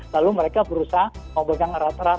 lalu mereka berusaha mau pegang rat rat